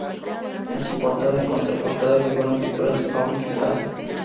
En su portada y contraportada figuran pinturas de Pablo Picasso.